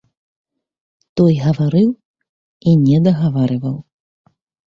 Той гаварыў і не дагаварваў.